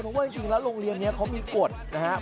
เพราะว่าจริงแล้วโรงเรียนนี้เขามีกฎนะครับ